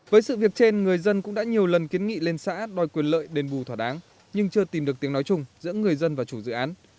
với sự việc trên người dân cũng đã nhiều lần kiến nghị lên xã đòi quyền lợi đền bù thỏa đáng nhưng chưa tìm được tiếng nói chung giữa người dân và chủ dự án